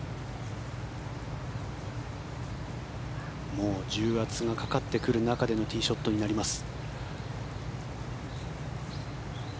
もう重圧がかかってくる中でのティーショットになります。